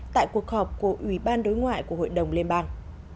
tại cuộc họp của ủy ban đối ngoại của hội đồng liên bang